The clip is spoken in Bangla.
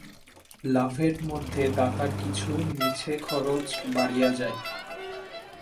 লাভের মধ্যে দাতার কিছু মিছে খরচ বাড়িয়া যায়।